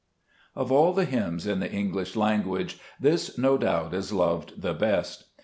Of all hymns in the English language this, no doubt, is loved the best.